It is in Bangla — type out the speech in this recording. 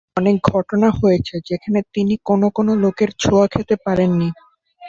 এমন অনেক ঘটনা হয়েছে, যেখানে তিনি কোন কোন লোকের ছোঁয়া খেতে পারেননি।